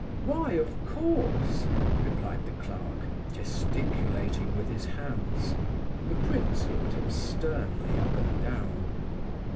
"Why, of course," replied the clerk, gesticulating with his hands. The prince looked him sternly up and down.